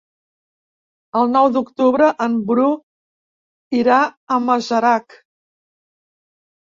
El nou d'octubre en Bru irà a Masarac.